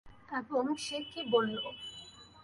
এবং সে কি বললো?